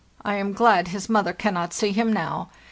I am glad his mother cannot see him now.